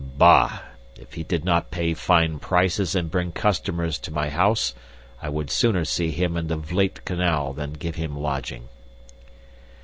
"Bah! If he did not pay fine prices and bring customers to my house, I would sooner see him in the Vleit Canal than give him lodging."